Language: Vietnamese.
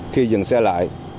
khi dừng xe lại